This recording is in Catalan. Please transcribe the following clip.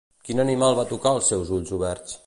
Quin animal va tocar els seus ulls oberts?